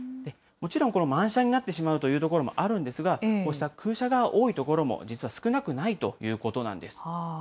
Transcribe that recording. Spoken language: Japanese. もちろん満車になってしまうという所もあるんですが、こうした空車が多い所も実は少なくないということなんです。